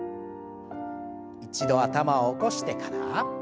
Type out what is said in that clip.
一度頭を起こしてから。